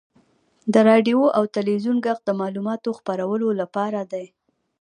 • د راډیو او تلویزیون ږغ د معلوماتو خپرولو لپاره دی.